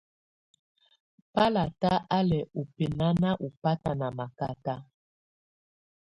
Bálátá á lɛ́ ɔ́ bɛ́naná ɔbáta ná mákáta.